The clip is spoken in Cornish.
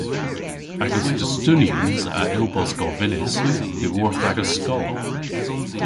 Agas dustunians a yll bos govynnys dhyworth agas skol.